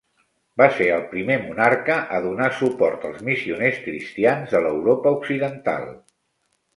Va ser el primer monarca a donar suport als missioners cristians de l'Europa occidental.